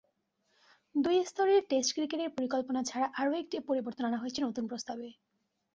দুই স্তরের টেস্ট ক্রিকেটের পরিকল্পনা ছাড়া আরও একটি পরিবর্তন আনা হয়েছে নতুন প্রস্তাবে।